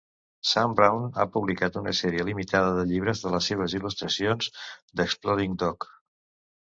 Sam Brown ha publicat una sèrie limitada de llibres de les seves il·lustracions d'explodingdog.